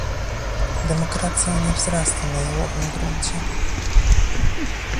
Demokracja nie wzrasta na jałowym gruncie